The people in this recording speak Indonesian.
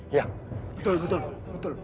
iya betul betul